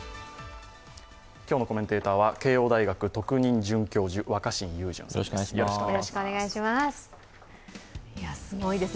今日のコメンテーターは慶応大学特任准教授、若新さんです。